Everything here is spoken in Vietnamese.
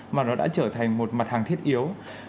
mà nó đã trở thành một mặt hàng thiết yếu